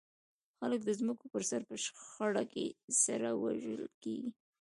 خلک د ځمکو پر سر په شخړه کې سره وژل کېږي.